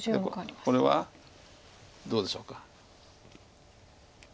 これはどうでしょうか。